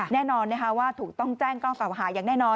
แน่นอนว่าถูกต้องแจ้งข้อเก่าหาอย่างแน่นอน